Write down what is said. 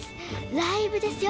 ライブですよ